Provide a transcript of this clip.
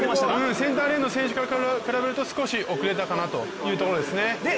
センターレーンの選手から比べると少し遅れたかなというところです。